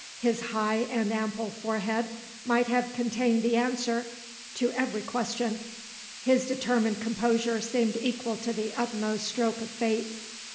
His high and ample forehead might have contained the answer to every question; his determined composure seemed equal to the utmost stroke of Fate.